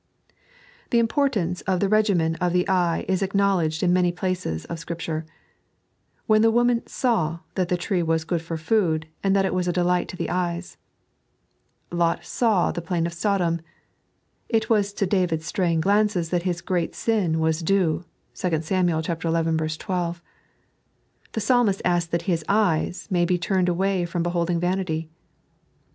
The importance of the reffim&n of the eye is acknowledged in many places of Scripture :" When the woman taw that the tree was good for food, and that it was a delight to the eyes"; ... "Lot saw the plain of Sodom." It was to David's straying glances that his great sin was due (2 Sam. xi. 2). The Psalmist asks that his ei/ea may he turned away from beholding vanity.